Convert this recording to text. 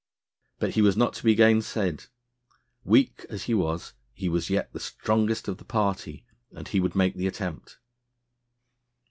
But he was not to be gainsaid; weak as he was, he was yet the strongest of the party, and he would make the attempt.